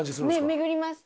巡ります。